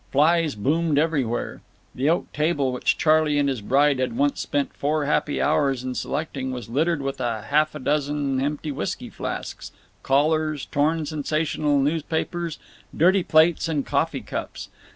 Flies boomed everywhere. The oak table, which Charley and his bride had once spent four happy hours in selecting, was littered with half a dozen empty whisky flasks, collars, torn sensational newspapers, dirty plates and coffee cups.